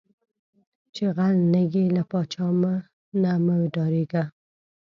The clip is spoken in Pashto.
چې غل نۀ یې، لۀ پاچا نه مۀ ډارېږه